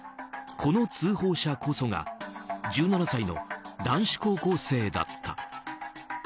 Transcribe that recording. この通報者こそが１７歳の男子高校生だった。